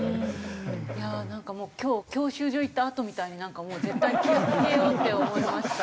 いやあなんかもう今日教習所行ったあとみたいになんか絶対気を付けようって思いました。